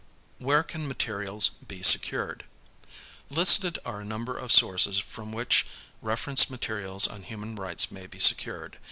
Where Can Materials Be Secured? Listed are a number of sources from which reference materials on human rights may be secured.